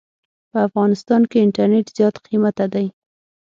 په افغانستان کې انټرنيټ زيات قيمته دي.